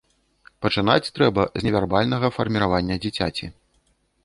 Пачынаць трэба з невербальнага фарміравання дзіцяці.